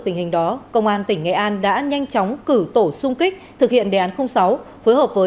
tình hình đó công an tỉnh nghệ an đã nhanh chóng cử tổ sung kích thực hiện đề án sáu phối hợp với